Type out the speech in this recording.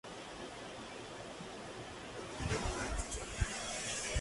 Batman no podía escapar ya que Man-Bat le cogía y tiraba.